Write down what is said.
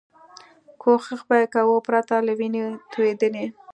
کوښښ به یې کاوه پرته له وینې توېدنې.